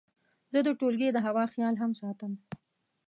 زه د ټولګیو د هوا خیال هم ساتم.